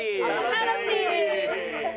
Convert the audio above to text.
楽しい。